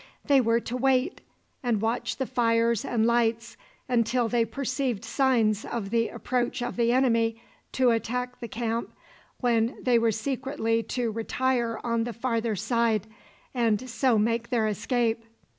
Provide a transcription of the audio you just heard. They were to wait, and watch the fires and lights until they perceived signs of the approach of the enemy to attack the camp, when they were secretly to retire on the farther side, and so make their escape.